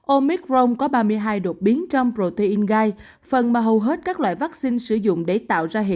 omicron có ba mươi hai đột biến trong protein gai phần mà hầu hết các loại vaccine sử dụng để tạo ra hệ